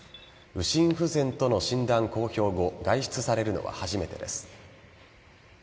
右心不全との診断公表後外出されるのは初めてです。